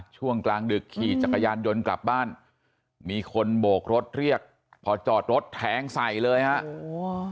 ช่วงกลางดึกขี่จักรยานยนต์กลับบ้านมีคนโบกรถเรียกพอจอดรถแทงใส่เลยฮะโอ้โห